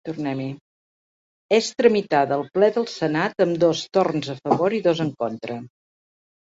És tramitada al Ple del Senat amb dos torns a favor i dos en contra.